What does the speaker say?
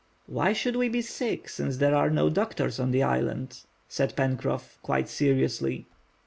"Why should we be sick, since there are no doctors on the island?" said Pencroff, quite seriously.